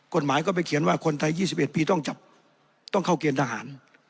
กฎหมายก็ไปเขียนว่าคนไทย๒๑ปีต้องจับต้องเข้าเกณฑ์ทหาร